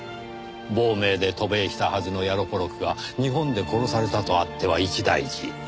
亡命で渡米したはずのヤロポロクが日本で殺されたとあっては一大事。